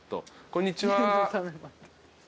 こんにちは。